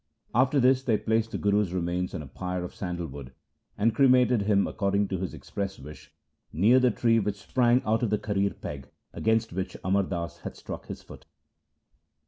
After this they placed the Guru's remains on a pyre of sandal wood and cremated him according to his express wish near the tree which sprang out of the karir peg against which Amar Das had struck his foot.